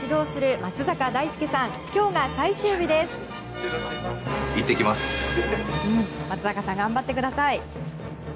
松坂さん頑張ってください。